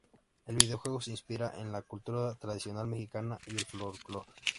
El videojuego se inspira en la cultura tradicional mexicana y el folclore.